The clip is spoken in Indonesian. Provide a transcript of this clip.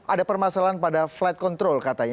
ada permasalahan pada flight control katanya